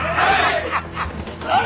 はい！